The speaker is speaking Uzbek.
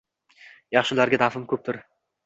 Yaxshilarga nafim ko‘pdir.